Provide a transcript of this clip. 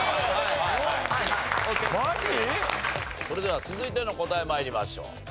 それでは続いての答え参りましょう。